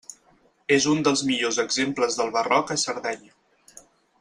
És un dels millors exemples del barroc a Sardenya.